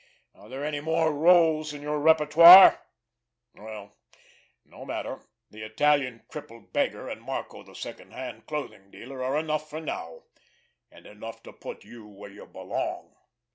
Are there any more rôles in your repertoire? Well, no matter! The Italian crippled beggar, and Marco the second hand clothing dealer are enough for now—and enough to put you where you belong!"